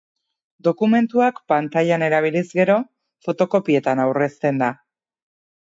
Dokumentuak pantailan erabiliz gero, fotokopietan aurrezten da.